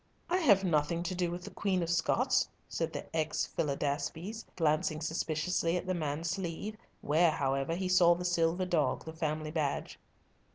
"I have nothing to do with the Queen of Scots," said the ex Philidaspes, glancing suspiciously at the man's sleeve, where, however, he saw the silver dog, the family badge.